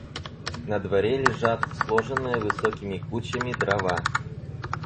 На дворе лежат, сложенные высокими кучами, дрова.